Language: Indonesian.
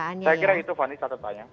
saya kira itu fani catatannya